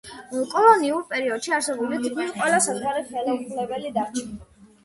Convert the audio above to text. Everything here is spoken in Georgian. კოლონიურ პერიოდში არსებული თითქმის ყველა საზღვარი ხელუხლებელი დარჩა.